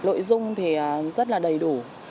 lội dung thì rất là đầy đủ